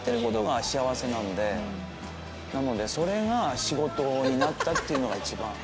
でもなのでそれが仕事になったっていうのが一番。